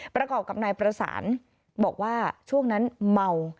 ประกอบกับนายประสานบอกว่าช่วงนั้นเมา